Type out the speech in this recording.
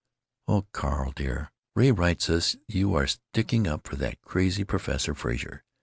Oh Carl dear Ray writes us you are sticking up for that crazy Professor Frazer.